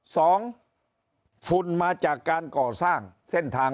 ฝุ่นมาจากการก่อสร้างเส้นทาง